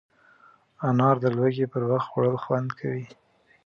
انار د لوږې پر وخت خوړل خوند کوي.